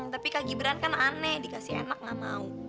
tapi kak gibran kan aneh dikasih enak gak mau